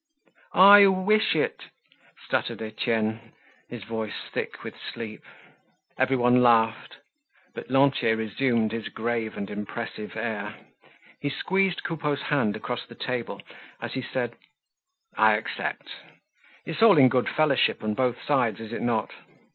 '" "I wish it!" stuttered Etienne, his voice thick with sleep. Everyone laughed. But Lantier resumed his grave and impressive air. He squeezed Coupeau's hand across the table as he said: "I accept. It's in all good fellowship on both sides, is it not?